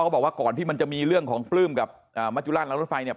บอกว่าก่อนที่มันจะมีเรื่องของปลื้มกับมัจจุราชล้างรถไฟเนี่ย